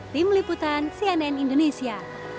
tim liputan cnn indonesia